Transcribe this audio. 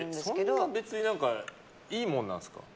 そんな別にいいものなんですか？